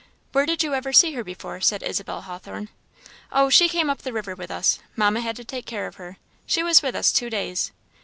"Where did you ever see her before?" said Isabel Hawthorn. "Oh, she came up the river with us Mamma had to take care of her she was with us two days."